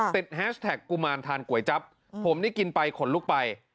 แฮชแท็กกุมารทานก๋วยจั๊บผมนี่กินไปขนลุกไป